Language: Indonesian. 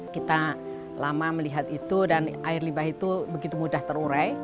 kita lama melihat itu dan air limbah itu begitu mudah terurai